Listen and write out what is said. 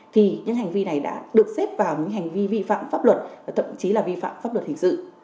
thì những hành vi này đã được xếp vào những hành vi vi phạm pháp luật và thậm chí là vi phạm pháp luật hình sự